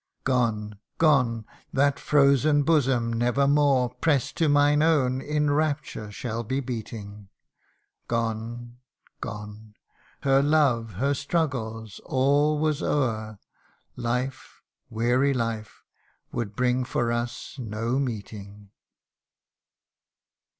Gone ! gone ! that frozen bosom never more, O 7 Press'd to mine own, in rapture shall be beating : 118 THE UNDYING ONE. Gone ! gone ! her love, her struggles all was o'er, Life weary life, would bring for us no meeting